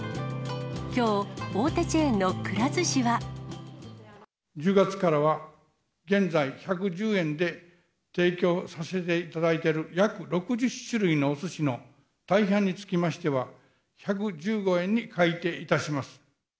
きょう、１０月からは、現在１１０円で提供させていただいている約６０種類のおすしの大半につきましては、１１５円に改定いたします。